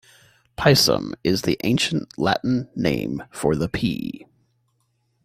'Pisum' is the ancient Latin name for the pea.